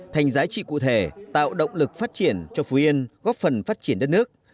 thành giá trị cụ thể tạo động lực phát triển cho phú yên góp phần phát triển đất nước